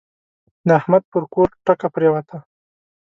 د احمد پر کور ټکه پرېوته.